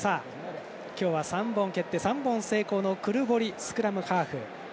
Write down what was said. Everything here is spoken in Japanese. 今日は３本蹴って、３本成功のクルボリ、スクラムハーフ。